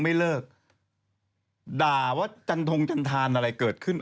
ว่าจันทรงจันทารอะไรเกิดขึ้น